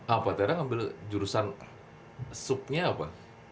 apa tera ngambil jurusan supnya apa